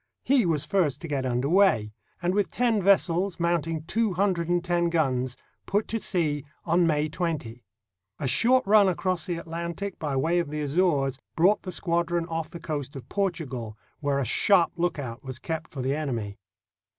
He was first to get under way, and with ten ves sels, mounting two hundred and ten guns, put to sea on May 20. A short run across the Atlantic by way of the Azores brought the squadron off the coast of Portugal, where a sharp lookout was kept for the enemy.